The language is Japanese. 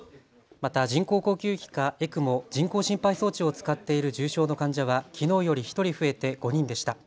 また人工呼吸器かＥＣＭＯ・人工心肺装置を使っている重症の患者はきのうより１人増えて５人でした。